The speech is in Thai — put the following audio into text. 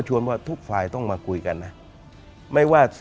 ใช่